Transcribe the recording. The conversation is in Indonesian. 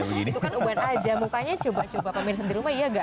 itu kan uban aja mukanya coba coba pemirsa di rumah iya enggak